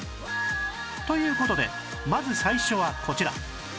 という事でまず最初はこちら